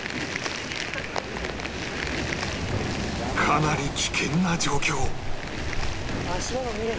かなり危険な状況